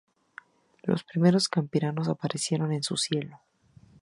Los primeros campanarios aparecieron en su cielo.